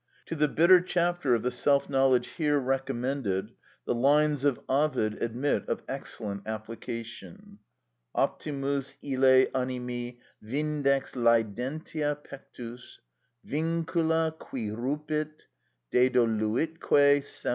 To the bitter chapter of the self knowledge here recommended the lines of Ovid admit of excellent application— "Optimus ille animi vindex lædentia pectus, _Vincula qui rupit, dedoluitque semel.